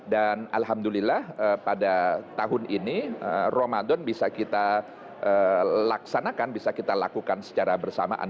dan alhamdulillah pada tahun ini ramadhan bisa kita laksanakan bisa kita lakukan secara bersamaan